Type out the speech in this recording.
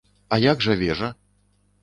А як жа вежа?